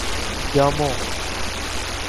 جامو